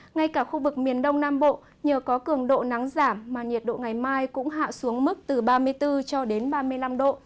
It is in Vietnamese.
ngay cả khu vực miền đông nam bộ nhờ có cường độ nắng giảm mà nhiệt độ ngày mai cũng hạ xuống mức từ ba mươi bốn cho đến ba mươi năm độ